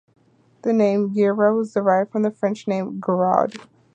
The name Gerow is derived from the French name "Giraud".